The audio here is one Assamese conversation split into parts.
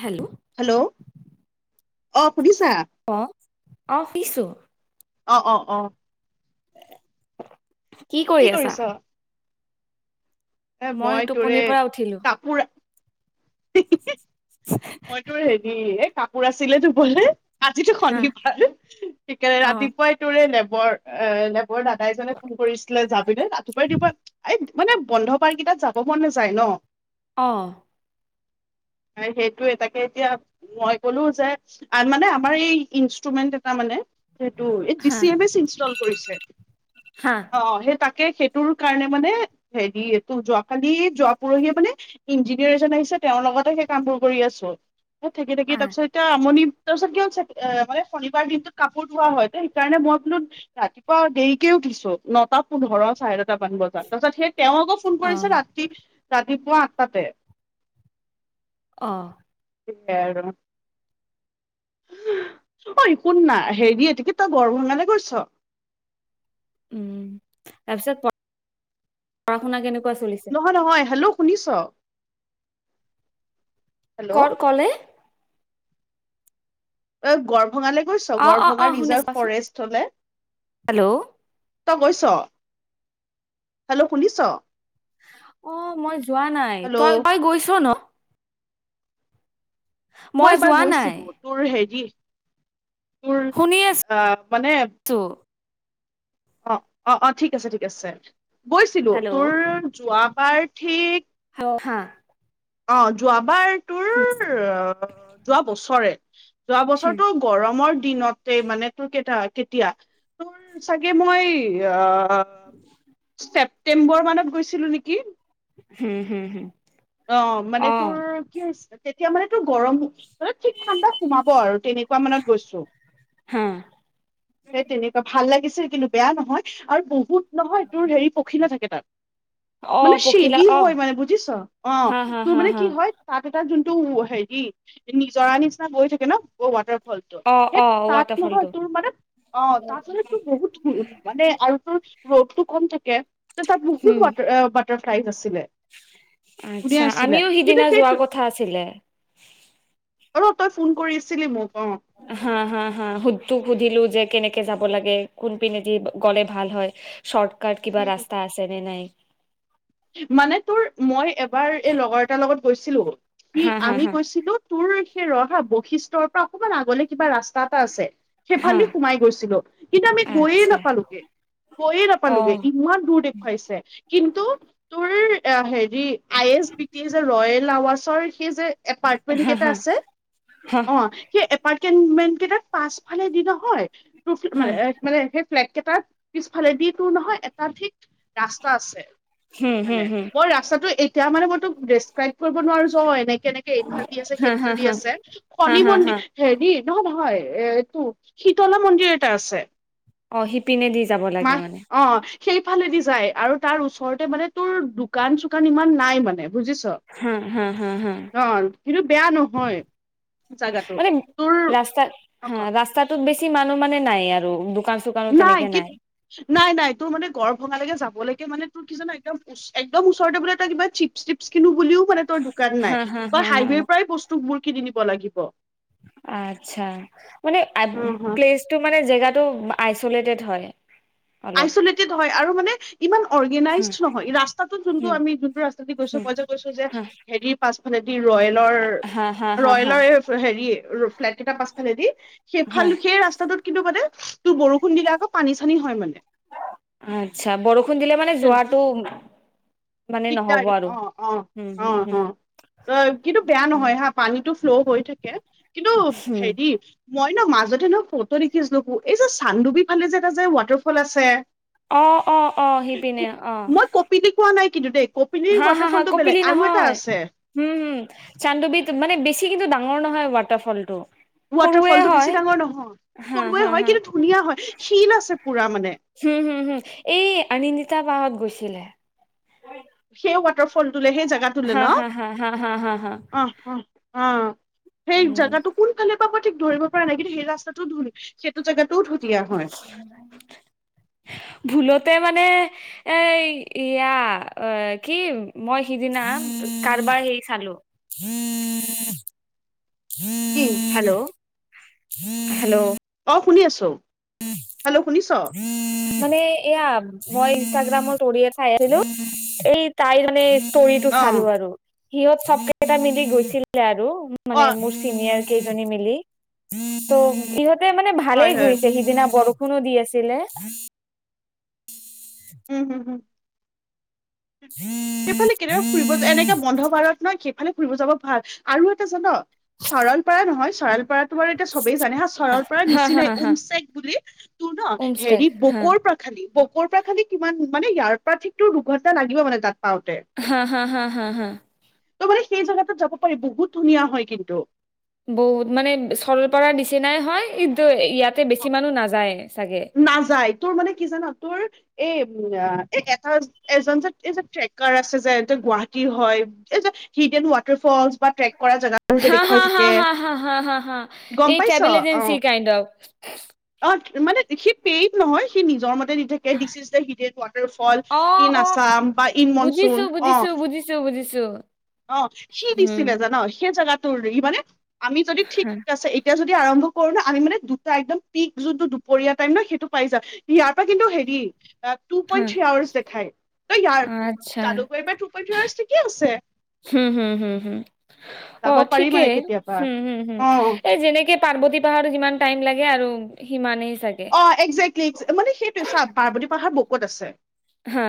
হেল্ল' অফ, অ শুনিছো, অ অ অ। কি কৰি আছা? এ মই তোৰে টোপনিৰ পৰা উঠিলো কাপোৰ মইতো হেৰি এ কাপোৰ আছিলে ধুবলে। আজিতো হা শনিবাৰ সেইকাৰণে অ ৰাতিপুৱাই তোৰে ন, বৰ এ এ ৰ দাদাই এজনে ফোন কৰিছিলে যাবিনে ৰাতিপুৱাই ৰাতিপুৱাই এইট। মানে, বন্ধ বাৰকেইটাত যাব মন নাযায় ন। অঁ, হয়। সেইটো- টোৱে, তাকে এতিয়া মই ক'লো যে মানে আমাৰ এই ইনষ্টুমেন্ট এটা মানে সেইটো হা এযিচি এমেচি ষ্টল কৰিছে। হা অহ, সেই তাকে সেইট তোৰ কাৰণে মানে, হেৰি এইটো যোৱ কালি, যোৱা পৰহি মানে ইঞ্জিনিয়াৰ এজন আহিছে, তেওঁৰ লগতে সেই কামবোৰ- কৰি আছো। থাকি, থাকি তাৰ আহ পিছত এতিয়া আমনি তাৰপিছত কি হল চেক এ ফালে শনিবাৰ দিনটোত কাপোৰ ধোৱা হয় দেই সেইকাৰণে মই বোলো ৰাতিপুৱা দেৰিকে উঠিছো। নটা পোন্ধৰ, চাৰে নটা মান বজাত। তাৰপিছত সে তেওঁ আকৌ ফোন অ কৰিছে, ৰাতি ৰাতিপুৱা আঠটাতে। অহ। সেয়াই আৰু, ঐ শুন না, হেৰি এটো কি তই গড় ভঙালে গৈছ? উম। তাৰ পিছত পঢ়া শুনা কেনে নহয় নহয় হেল্ল' শুনিছ? হেল্ল' ক'ত কলে? অ' গৰম ভঙালে গৈছ, অ অ অ গৰভঙা শুনি ৰিজাৰ্ভ আছো কোৱাচোন ফৰেষ্ট লে? হেল্ল' তই গৈছ? হেল্ল' শুনিছ? অঁ মই যোৱা নাই। হেল্ল' তই, তই গৈছ ন? মই এবাৰ যোৱা নাই গৈছিলো, তোৰ হেৰি তোৰ শুনি আ মানে আছো অঁ, অঁ-অঁ, ঠিক আছে-ঠিক আছে। গৈছিলো, হেল্ল' তোৰ যোৱা বাৰ ঠিক [unintelligible] অঁ যোৱাবাৰ হুম তোৰ, অ যোৱা বছৰে [inaudible] যোৱা হুম বছৰটো গৰমৰ দিনতেই মানে তোৰ কেইটা কেতিয়া, তোৰ চাগ গে মই আ অ ছেপ্তেম্বৰ মানত গৈছিলো নেকি। হম হম-হম। অঁ মানে তোৰ কি হৈছ তেতিয়া মানে তোৰ গৰম ঠিক ঠাণ্ডা সোমাব আৰু তেনেকুৱা মানত গৈছো, হা সেই তেনেকুৱা ভাল লাগিছিল কিন্তু বেয়া নহয় আৰু বহুত নহয় তোৰ হেৰি পখিলা থাকে তাত, অ মানে পখিলা চেদি অ হয় মানে বুজিছ। অ' হা হা তোৰ হা মানে হা কি হয় তাত যোনটো হেৰি নিজৰা নিচিনা বৈ থাকে ন, ব ৱাটাৰ ফলটো অ সেই অ তাত ৱাটাৰফলটো নহয় তোৰ মানে অ' তাত মানে তোৰ বহুত মানে আৰু তোৰ ৰ'দটো কম থাকে ত' তাত উম বহুত ৱাটাৰ বাতাৰ ফ্লাইজ আছিলে। ধুনীয়া আতচ্ছা, আছিলে আমিও কিন্তু সিদিনা যোৱা সেইটো কথা আছিলে। অঁ তই ফোন কৰি আছিলি মোক। অ হম হম- হম শুদটো সুধিলো যে কেনেকে যাব লাগে, কোনপিনেদি গলে ভাল হয় চৰ কাৰন কিবা ৰাস্তা আছে নে নাই মানে তোৰ মই এবাৰ এই লগৰ এটাৰ লগত গৈছিলো, সি হা হা আমি হা গৈছিলো তোৰ সেই ৰহা বৈশিষ্ট্যৰ পৰা অকমান আগলে কিবা ৰাস্তা এটা আছে হা সেইফালেদি সোমাই গৈছিলো, কিন্তু আমি গৈয়ে আচ্ছা নাপালোগে, গৈয়ে অ নাপালোগে ইমান দূৰ দেখুৱাইছে। কিন্তু তোৰ হেৰি আই এছ পিটি এছ এ ৰয়েল আৱাজ চৰ সেই যে এপাৰ্টমেণ্ট হা কেইটা হা আছে, হা অঁ সেই এপাৰ্টমেণ্ট কিমান কেইটাত পাছফলেদি নহয়, হা [unintelligible] কেইটাৰ পিছফালেদি তোৰ নহয় এটা ঠিক ৰাস্তা আছে। হুম হুম মানে হুম মই ৰাস্তাটো এতিয়া মানে মই তোক দেচক্ৰাইব কৰিব নোৱাৰো জ অ এনেকে এনেকে এইফাল দি আছে, হা হা সেইফাল দি হা আছে, হা কণী হা হা মন্দি, হেৰি, নহ নহয় এ' এইটো, শীতলা মন্দিৰ এটা আছে অ' সিপিনে দি যাব লাগে মানে? মাহ অ সেইফালেদি যায় আৰু তাৰ ওচৰতে মানে তোৰ দোকান চোকান ইমান নাই মানে বুজিছ? হা হা হা হা অ' কিন্তু বেয়া নহয় জাগাটো, মানে তোৰ, ৰাস্তা অ হা ক' ৰাস্তাটোত বেছি মানুহ মানে নাই আৰু দোকান চোকানো নাই তেনেকে কি, নাই নাই, তোৰ মানে গৰভ ভঙালৈকে যাবলৈকে মানে তোৰ কি জান একদমদম ওচৰতে বলে এটা কিবা চিপ চ কিনো বুলিও মানে তই দোকান হা নাই, হা হা তই হা হাইৱেৰ পৰাই বস্তুবোৰ কিনী নিব লাগিব আচ্ছা, মানে উম হম প্লেছটো, মানে জেগাটো চলেট ধৰে [unintelligible] আইচলেটেড হয়, আৰু মানে ইমান অৰ্গেনাইজ হম নহয়, ৰাস্তাটোত যোনটো হম আমি যোনটো ৰাস্তা দি গৈছো, হম মই যে গৈছো যে হা হেৰি পাছফালেদি ৰয়েলৰ, হা হা হা হা ৰয়েলৰ হেৰি ফ্লেট কেইট পাছফালেদি, হা সেইফাল সেই ৰাস্তাটোত কিন্তু মানে তোৰ বৰষুণ দিলে আকৌ পানী চানী হয় মানে। আচ্ছা বৰষুণ দিলে মানে জোৱাটো দিগদাৰি অ অ হম হম হম অ অ কিন্তু বেয়া হম নহয় হা পানীটো ফ্ল' হৈ থাকে কিন্তু হম হেৰি মই, এই ন মাজতে নহয় ফটো দেখিছ নখো এই যে চান্দুবি ফালে যে এটা যে ৱাটাৰফল আছে। আহ অ অ সিপিনে অ! মই কপিলি কোৱা নাই কিন্তু দে, হা হা হা কপিলি নহয় হম হুম চান্দুবিধ মানে বেছি কিন্তু দ, ডঙৰ নহয় ৱাটাৰফল টো। ৱাটাৰফলটো বেছি ডাঙৰ নহয় হা সৰুৱে হা হয় হা কিন্তু ধুনীয়া হয় শীিল আছে পুৰা মানে হম হম দিলে। সেই ৱাটাৰফল, ত সেই জেগা তোলে হা ন হা হা হা হা হা হা অ সেই উম জেগাটো কোনফালে ধৰিব পৰা নাই কিন্তু সেই ৰাস্তাটো ধুলল সেইটো জাগগাত ভুলতে মানে, এ এয়া কি মই সিদিনা কাৰবাৰ হেৰি খালো। কি হেল্ল'! হেল্ল' অ শুনি আছোঁ মানে এয়া। মই ইনষ্টাগ্ৰামত উয়ে চাই আছিলো এই তাই মানে। তৰিটো অ চালো আৰু। সিহঁত চব কেইটা মিলি গৈছিলে আৰু। অ মানে মোৰ চিনিয়ৰ। কেইজনী মিলি ত। মানে হয় ভালেই হয় গই। সিদিনা বৰষুণো দি আছিলে। উম হম হম। উ [unintelligible] সেইফালে কেনেয়াা ফুৰিব এনেকাে বন্ধ ভাৰত নহয়। সেইফালে ফুৰিব যাব ভাল আৰু এটা জান চৰালপাৰা নহয় চৰালপাৰাত। তোমাৰ এতিয়া চবেই জানে হা চৰৰ পৰা হা হা নিচিনাই হা হা ওমচেক বুলি তোৰ ন উমষ্টাক হেৰি হা বকৰ পৰা খালি ব। পৰা খালি কিমান মানে ইয়াৰ পৰা ঠিকতো দুঘণ্টা লাগিব মানে তাত। পাওঁতে হা হা হা হা হা। ত' মানে সেই জাগাটোত যাব পাৰি বহুত ধুনীয়া হয় কিন্তু। বহুত মানে সৰলপাৰ নিচনাই হয় কিন্তু ইয়াত। তাতে বেছি মানুহ নাযায়। চাগে নাযায় তোৰ মানে কি জানা তোৰ। এই এটা এজন যে এই যে ট্ৰেকাৰ আছে যে গুৱাহাটী হয় এই যে হিড এন ৱাটাৰ ফলচ। বা ট্ৰেক কৰা জেগাবোৰ যে হা দেখুৱাই হা হা থাকে হা হা হা‌ হা গম এই পাইছ travel uh agency kind of. অ' মানে সি পেইড, নহয় সি নিজৰ ম দি থাকে, this is the hidden waterfall uh in uh Assam, বা ইন মনচুন বুজিছো অ'। বুজিছো বুজিছো বুজিছো অ' সি হুম দিছিলে জানো, সেই জেগাত তো ই মানে আমি যদি ঠিক হা আছে এতিয়া যদি আৰম্ভ কৰো ন আমি মানে দুটা, একদম পিক যোনটো দুপৰীয়া টাইম ন, সেইটো পাই যাম, ইয়াৰ পৰা কিন্তু হেৰি টু হা পইণ্ট থ্ৰী আৱাৰ্চ দেখাই, তই ইয়াৰ আচ্ছা জালুকবাৰীৰ পৰা টু পইণ্ট থ্ৰী আৱাৰ্চ ঠিকিই আছে। উম হম হম, অ' যাব পাৰি মানে ঠিকেই কেতিয়াবা হম হম অ' এ যেনেকে পাৰ্বতী পাহাৰৰ যিমান টাইম লাগে আৰু সিমানে অ' একজেক্টলি মানে সেইটো চ পাৰ্বতী পাহাৰ বহুত ক'ত আছে? হা।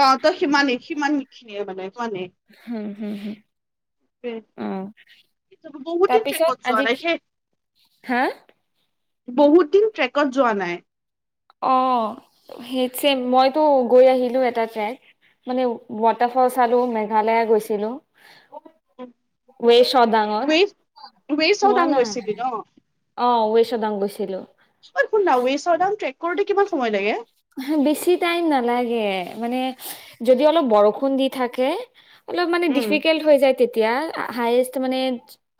অ' ত‌ সিমানেই, সিমান খিনিয়ে মানে। সিমানেই হম, হম, হম, আহ, বহুত দিন তাৰপিছত ট্ৰেকত যোৱা আজি নাই কি সেই হা বহুত দিন ট্ৰেকত যোৱা নাই। অ', সেই চেম মইতো গৈ আহিলো এটা ট্ৰেক। মানে, ৱাটাৰফল চালো, মেঘালয়ে গৈছিলো। ৱে শাওডাঙত, ৱে ৱে হোৱা চাওদাং নাই গৈছিলি ন? অ' ৱে [unintelligible] গৈছিলো। ঐ শুননা ৱে শাওডাঙত ট্ৰেক কৰোতে কিমান সময় লাগে? বেছি টাইম নালাগে মানে, যদি অলপ বৰষুণ দি থাকে অলপ মানে, উম, ডিফিকাল্ট হৈ যায় তেতিয়া। হাইষ্ট মানে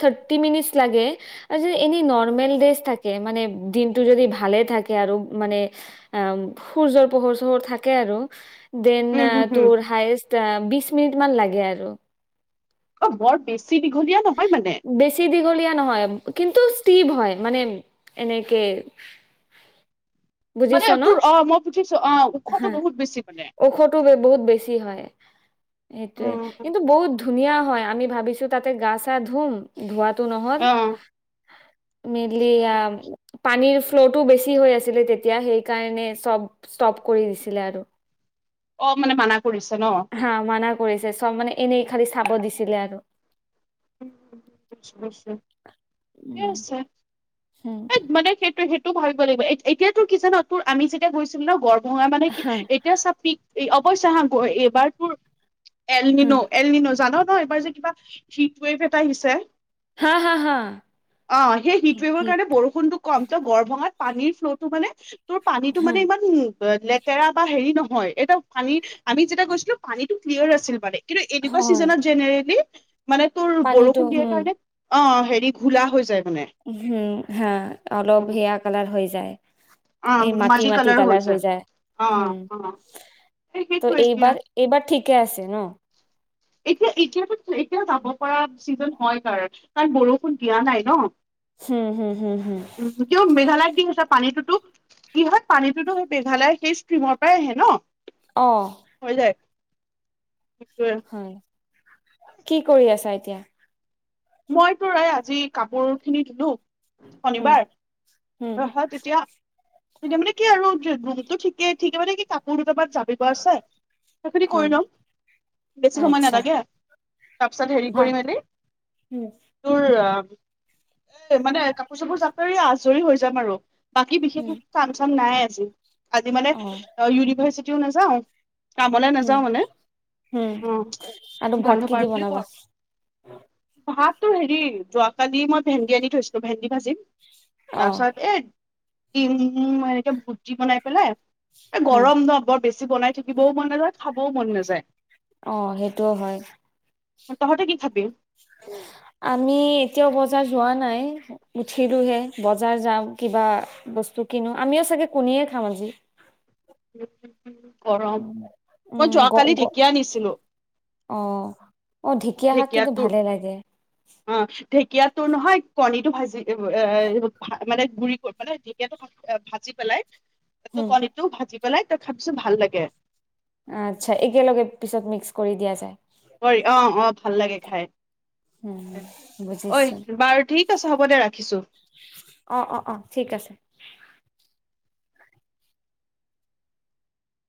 থাৰ্টি মিনিট লাগে। আৰু এনে নৰ্মেল ডেজ থাকে, মানে দিনটো যদি ভালে থাকে, আৰু মানে সূৰ্যৰ পোহৰ চোহৰ থাক, আৰু দেন উম, হম, হম, তোৰ হায়ষ্ট বিছ মিনিট মান লাগে আৰু। অ', বৰ বেছি দি বেছি দিঘলীয়া নহয়, কিন্তু [unintelligible] হয় মানে এনেকে বুজিছ মানে ন তোৰ অ' মই বুজিছোঁ। আহ, হা ওখটো বহুত বেছি মানে? ঔষধো বহুত বেছি হয় সেইটোয়ে, কিন্তু অ বহুত ধুনীয়া হয়। আমি ভাবিছো, তাতে গা চা ধুম, ধুৱা টো নহ'ল। মেইনলি এয়া পানীৰ ফ্ল'টো বেছি হৈ আছিলে, তেতিয়া সেইকাৰণে চব ষ্টপ কৰি দিছিলে আৰু। অ', মানে মানা কৰিছে ন? হা মানা কৰিছে, চব মানে এনেই খালি চাব দিছিলে আৰু। [unintelligible] উম হম এই মানে সেইটোৱে, সেই তো, ভাবিব লাগিব এ-এতিয়া, তোৰ কি জান? তোৰ আমি যেতিয়া গৈছিলো ন' গৰ ভঙা মানে কি? হা এতিয়া চা, পিক এই অৱশ্য হা, গৈ এইবাৰ তোৰ হা এলনিনো, এলনিনো জান? ন' এইবাৰ যে, কিবা [unintelligible] [unintelligible] এটা আহিছে। হা হা হা অ', সেই হিটৱেভৰ হিট, কাৰণে বৰষুণটো কম। ত', গঢ়-ভঙাত পানীৰ ফ্ল'টো মানে তোৰ পানীটো হা মানে, ইমান উ লেতেৰা বা হেৰি নহয়। একদম পানী, আমি যেতিয়া গৈছিলোঁ, পানীটো ক্লিয়াৰ আছিল মানে কিন্তু এনেকুৱা হয় ছিজনত জেনেৰেলি তোৰ পানীটো বৰষুণ দিয়াৰ কাৰণে অ', হেৰি, ঘোলা হৈ যায়। মানে হুম, হা, অলপ সেইয়া কালাৰ হৈ যায়। এই মাটি-মাটি কালাৰ হৈ যায়। অ হুম, অ এই ত', সেইটো এতিয়া এইবাৰ, এইবাৰ ঠিকেই আছে ন'? এতিয়া, এতিয়াতো, এতিয়া যাব পৰা ছিজন হয়, কাৰ-কাৰণ বৰষুণ দিয়া নাই ন'? হম হম হম হম উম, কিন্ত মেঘালয়ত ঠিক আছে, পানীটোতো কি হয়, পানীটোতো সেই মেঘালয়, সেই ষ্ট্ৰীমৰ পৰাই আহে ন'? অ'। সেইটোৱেই হয়। কি কৰি আছা এতিয়া? মই তোৰ এই আজি কাপোৰখিনি ধুলোঁ উম শনিবাৰ উম হ-হয় তেতিয়া এটো মানে কি আৰু তে ৰুমটো ঠিকে ঠিকে মানে কি কাপোৰ বাত জাপিব আছে, সেইখিনি উম কৰি লম বেছি সময় আচ্ছা নালাগে তাৰপিছত হেৰি ভাল কৰি মেলি উম তোৰ এ মানে কাপোৰ চাপোৰ জাপৰি আজৰি হৈ যাম আৰু। বাকী বিশেষ উম এক কাম চাম নাই। জি আজি মানে অ', ইউনিভাৰ্চিট য নাযাওঁ। কামলে উম নাযাওঁ মানে উম আৰু উ ভাত বন্ধ কি দি পাৰ বুলি বনাবা কৰ ভাতটো হেৰি যোৱাকালি মই ভেন্দি আনি থৈছিলো ভেন্দি ভাজিম। অ তাপছত এ উম এ এনেকে ভুটি বনাই পেলাই এ উম গৰম নহ বৰ বেছি। জি বনাই থাকিবও মন নাযায় খাবও মন নাযায়। অ', সেইটোও হয়। তহতে কি খাবি? আমি এতিয়াও বজাৰ যোৱা নাই উঠিলোহে বজাৰ যাম কিবা বস্তু কিনো আমিও চাগে কুনিয়ে খাম আজি। [inaudible] গৰম মই উম গ যোৱাকালি গ ঢেকীয়া আনিছিলো অ অ ঢেকীয়া শাক কিন্তু ঢেকীয়াতো ভালে লাগে অ', ঢেকীয়াত তোৰ নহয় কণীটো ভাজি এ এ ভা মানে গুৰি ক মানে ঢেঁকিয়াটো ভাজি পেলাই তাতো উম কণীটো ভাজি পেলাই তই খাবিছোন ভাল লাগে। আচ্ছা, একেলগে পিছত মিক্স কৰি দিয়া যায়। কৰি অ', অ', ভাল লাগে খাই। উম ঐ বুজিছো, বাৰু ঠিক আছে হ'ব দে ৰাখিছো অ', অ', অ', ঠিক আছে।